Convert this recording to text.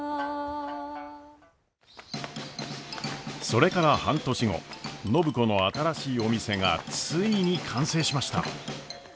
それから半年後暢子の新しいお店がついに完成しました。